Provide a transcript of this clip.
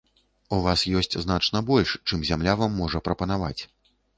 У вас ёсць значна больш, чым зямля вам можа прапанаваць.